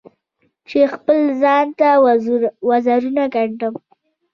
چې خپل ځان ته وزرونه ګنډم